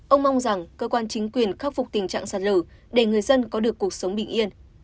ông mong rằng cơ quan chính quyền khắc phục tình trạng sạt lở để người dân có được cuộc sống bình yên